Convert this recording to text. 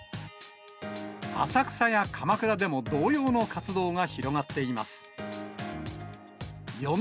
浅草や鎌倉でも同様の活動が広がっています。